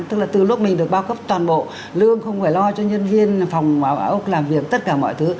tức là từ lúc mình được bao cấp toàn bộ lương không phải lo cho nhân viên phòng ốc làm việc tất cả mọi thứ